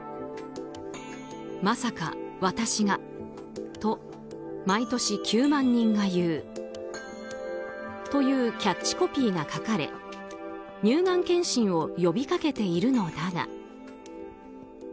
「“まさか、私が”と毎年９万人が言う」というキャッチコピーが書かれ乳がん検診を呼び掛けているのだが。